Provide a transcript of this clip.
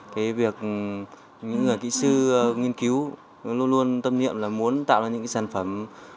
cái việc những người kỹ sư nghiên cứu luôn luôn tâm niệm là muốn tạo ra những cái sản phẩm